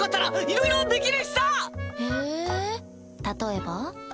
例えば？